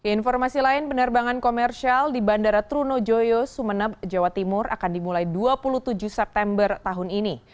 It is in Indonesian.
informasi lain penerbangan komersial di bandara trunojoyo sumeneb jawa timur akan dimulai dua puluh tujuh september tahun ini